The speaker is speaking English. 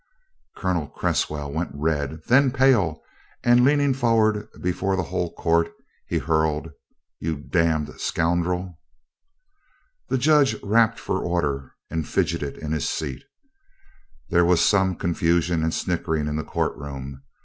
Colonel Cresswell went red, than pale, and leaning forward before the whole court, he hurled: "You damned scoundrel!" The Judge rapped for order and fidgeted in his seat. There was some confusion and snickering in the courtroom.